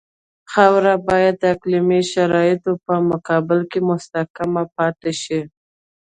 خاوره باید د اقلیمي شرایطو په مقابل کې مستحکم پاتې شي